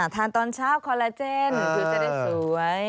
ทานตอนเช้าคอลลาเจนคือจะได้สวย